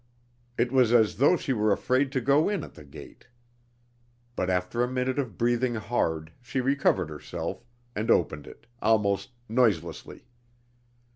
It was as though she were afraid to go in at the gate. But after a minute of breathing hard she recovered herself, and opened it, almost noiselessly.